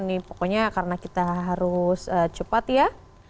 nih pokoknya karena kita harus cepat ya